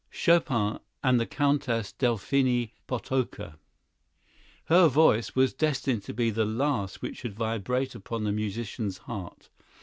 Chopin and the Countess Delphine Potocka "Her voice was destined to be the last which should vibrate upon the musician's heart.